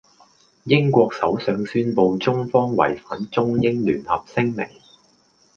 英國首相宣佈中方違反中英聯合聲明。